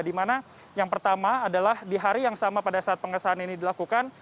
di mana yang pertama adalah di hari yang sama pada saat pengesahan ini dilakukan